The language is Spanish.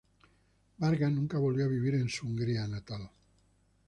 Varga nunca volvió a vivir en su Hungría natal.